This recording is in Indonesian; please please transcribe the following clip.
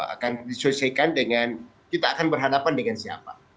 akan diselesaikan dengan kita akan berhadapan dengan siapa